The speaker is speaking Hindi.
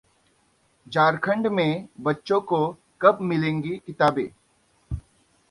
झारखंड में बच्चों को कब मिलेंगी किताबें?